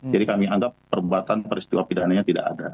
jadi kami anggap perbuatan peristiwa pidananya tidak ada